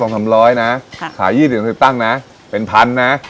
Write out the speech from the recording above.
เพราะว่ามันบางมาก